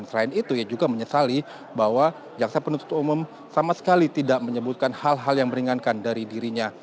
selain itu ia juga menyesali bahwa jaksa penuntut umum sama sekali tidak menyebutkan hal hal yang meringankan dari dirinya